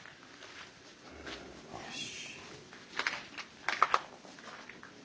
よし。